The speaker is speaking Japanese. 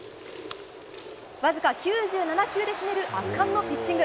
わずか９７球で締める圧巻のピッチング。